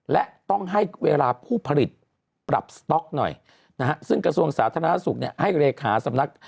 และต้องให้เวลาผู้ผลิตปรับสต๊อกหน่อยนะฮะซึ่งกระทรวงสาธารณสุขให้เลขาสำนัก